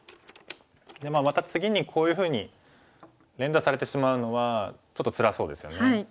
また次にこういうふうに連打されてしまうのはちょっとつらそうですよね。